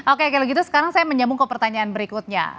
oke kalau gitu sekarang saya menyambung ke pertanyaan berikutnya